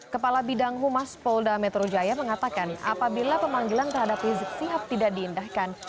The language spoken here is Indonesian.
kepala bidang humas polda metro jaya mengatakan apabila pemanggilan terhadap rizik sihab tidak diindahkan